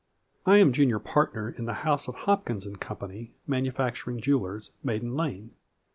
I am junior partner in the house of Hopkins & Co., manufacturing jewelers, Maiden Lane.